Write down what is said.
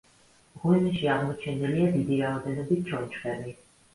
მღვიმეში აღმოჩენილია დიდი რაოდენობით ჩონჩხები.